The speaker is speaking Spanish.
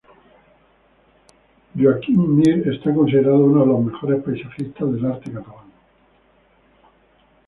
Joaquim Mir está considerado uno de los mejores paisajistas del arte catalán.